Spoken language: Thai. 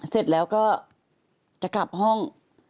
เสร็จแล้วก็จะกลับห้อง